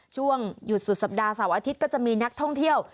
ช่วงหยุดสุดสัปดาห์เสาร์อาทิตย์ก็จะมีนักท่องเที่ยว